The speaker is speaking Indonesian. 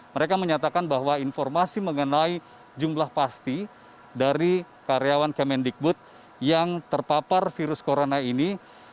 mereka menyatakan bahwa informasi mengenai jumlah pasti dari karyawan kemendikbud yang terpapar virus corona ini